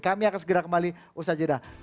kami akan segera kembali usaha jeda